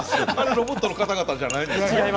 ロボットの方々じゃないですよ。